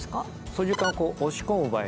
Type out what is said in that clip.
操縦かんを押し込む場合